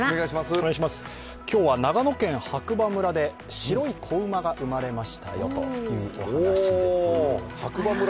今日は長野県白馬村で白い子馬が生まれました。